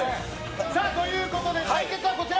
さあ、ということで、対決はこちら。